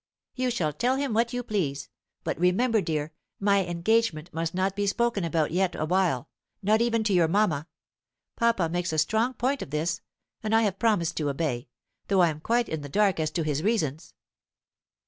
"You shall tell him what you please. But remember, dear, my engagement must not be spoken about yet awhile, not even to your mamma. Papa makes a strong point of this, and I have promised to obey, though I am quite in the dark as to his reasons."